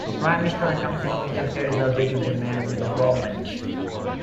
A Prime Minister and council of ministers carries out day-to-day management of government.